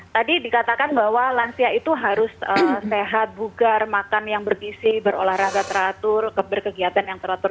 tadi dikatakan bahwa lansia itu harus sehat bugar makan yang bergisi berolahraga teratur berkegiatan yang teratur